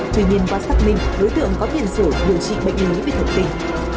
tuy nhiên qua xác minh đối tượng có biện sửa điều trị bệnh lý về thật tình